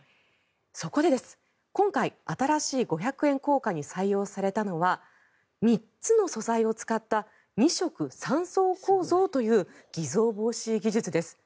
そこで今回、新しい五百円硬貨に採用されたのは３つの素材を使った二色三層構造という偽造防止技術です。